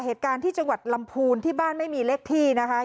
เหตุการณ์ที่จังหวัดลำพูนที่บ้านไม่มีเลขที่นะคะ